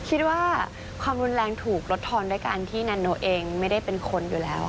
คิดว่าความรุนแรงถูกลดทอนด้วยการที่นาโนเองไม่ได้เป็นคนอยู่แล้ว